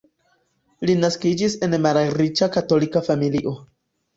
Li naskiĝis en malriĉa katolika familio.